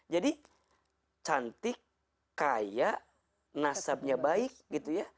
jadi cantik kaya nasabnya baik gitu ya